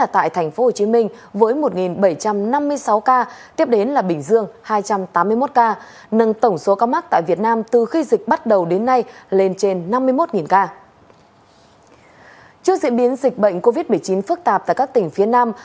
trước diễn biến dịch bệnh covid một mươi chín phức tạp tại các tỉnh phía nam